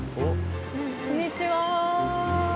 こんにちは。